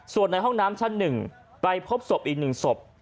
ส่วนในห้องน้ำชั้น๑ไปพบศพอีก๑ศพ